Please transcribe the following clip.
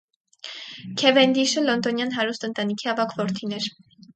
Քեվենդիշը լոնդոնյան հարուստ ընտանիքի ավագ որդին էր։